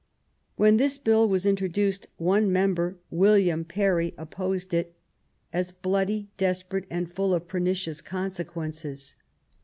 When this Bill was introduced, one member, William Parry, opposed it as " bloody, desperate and full of pernicious consequences